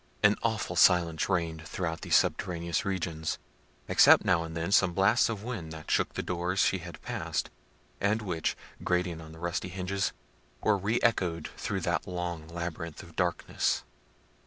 An awful silence reigned throughout those subterraneous regions, except now and then some blasts of wind that shook the doors she had passed, and which, grating on the rusty hinges, were re echoed through that long labyrinth of darkness.